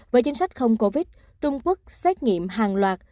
với chính sách không covid trung quốc xét nghiệm hàng loạt